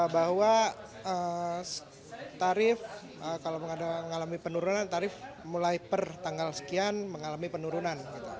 bahwa tarif kalau mengalami penurunan tarif mulai per tanggal sekian mengalami penurunan